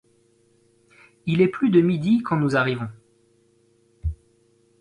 Il est plus de midi quand nous arrivons.